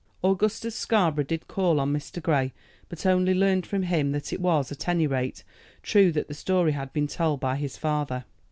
Augustus Scarborough did call on Mr. Grey, but only learned from him that it was, at any rate, true that the story had been told by his father.